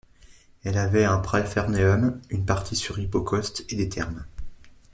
Elle avait un praefurnium, une partie sur hypocauste et des thermes.